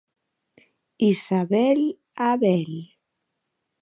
Isabel Abel.